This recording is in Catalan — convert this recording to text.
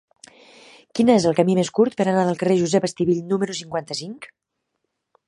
Quin és el camí més curt per anar al carrer de Josep Estivill número cinquanta-cinc?